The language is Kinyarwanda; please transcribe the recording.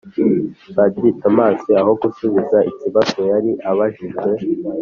Padiri Thomas, aho gusubiza ikibazo yari abajiwe